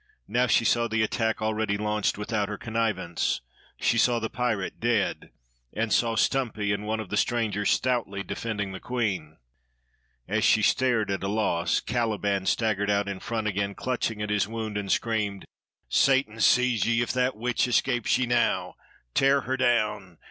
Now she saw the attack already launched without her connivance; she saw the pirate, dead, and saw Stumpy and one of the strangers stoutly defending the queen. As she stared, at a loss, Caliban staggered out in front again, clutching at his wound, and screamed: "Satan seize ye if that witch escapes ye now! Tear her down!